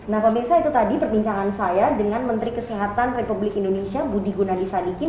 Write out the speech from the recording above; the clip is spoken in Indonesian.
nah pemirsa itu tadi perbincangan saya dengan menteri kesehatan republik indonesia budi gunadisadikin